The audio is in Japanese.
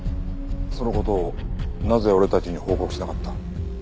その事をなぜ俺たちに報告しなかった？